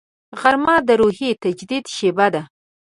غرمه د روحي تجدید شیبه ده